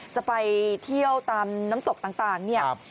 จะไปเที่ยวตามน้ำตกต่างเนี่ย